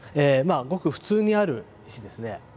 ごく普通にある石ですね。